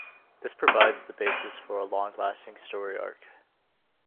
This provides the basis for a long-lasting story arc.